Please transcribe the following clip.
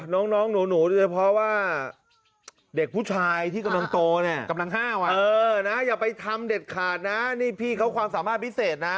น้องหนูโดยเฉพาะว่าเด็กผู้ชายที่กำลังโตเนี่ยกำลัง๕วันอย่าไปทำเด็ดขาดนะนี่พี่เขาความสามารถพิเศษนะ